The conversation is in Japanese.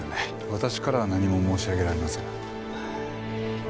私からは何も申し上げられません。